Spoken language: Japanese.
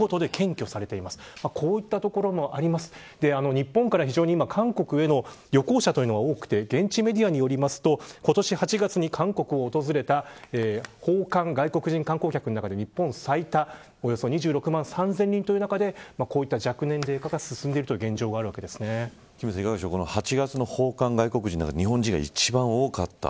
日本から非常に今韓国への旅行者が多くて現地メディアによりますと今年８月に韓国を訪れた訪韓外国人観光客の中で日本は最多およそ２６万３０００人という中でこういった若年齢化が進んでいる現８月の訪韓外国人の中で日本人が一番多かった。